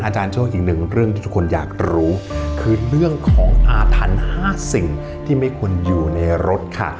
โชคอีกหนึ่งเรื่องที่ทุกคนอยากรู้คือเรื่องของอาถรรพ์๕สิ่งที่ไม่ควรอยู่ในรถค่ะ